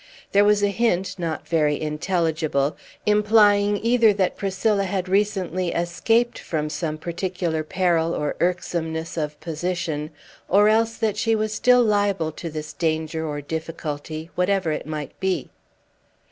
There was a hint, not very intelligible, implying either that Priscilla had recently escaped from some particular peril or irksomeness of position, or else that she was still liable to this danger or difficulty, whatever it might be.